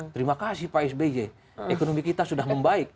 terima kasih pak sby ekonomi kita sudah membaik